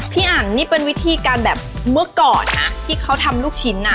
อันนี่เป็นวิธีการแบบเมื่อก่อนนะที่เขาทำลูกชิ้นอ่ะ